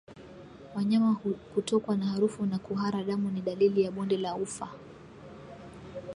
Wanyama kutokwa na harufu na kuhara damu ni dalili ya bonde la ufa